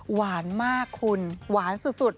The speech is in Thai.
หวานมากคุณหวานสุด